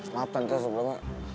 maaf tante sebelumnya